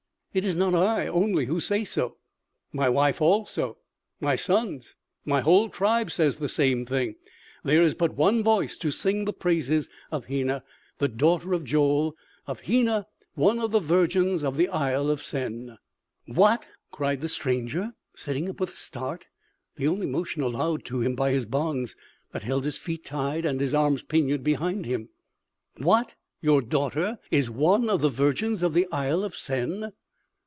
It is not I only who say so, my wife also, my sons, my whole tribe says the same thing. There is but one voice to sing the praises of Hena, the daughter of Joel ... of Hena, one of the virgins of the Isle of Sen." "What!" cried the traveler sitting up with a start, the only motion allowed to him by his bonds, that held his feet tied and his arms pinioned behind him. "What? Your daughter? Is she one of the virgins of the Isle of Sen?"